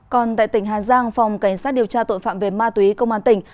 còn tại tỉnh hà giang phòng cảnh sát điều tra tội phạm về ma túy công an tỉnh